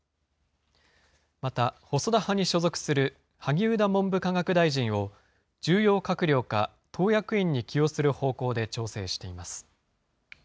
また、細田派に所属する萩生田文部科学大臣を、重要閣僚か党役員に起用する方向で調整しています。